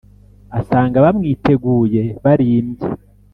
asanga bamwiteguye barimbye.